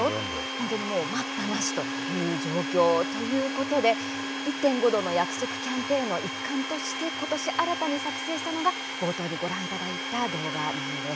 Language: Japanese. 本当にもう待ったなしという状況ということで「１．５℃の約束」キャンペーンの一環として今年、新たに作成したのが冒頭にご覧いただいた動画なんです。